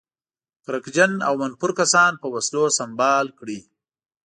کرکجن او منفور کسان په وسلو سمبال کړي.